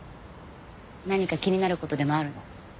何か気になる事でもあるの？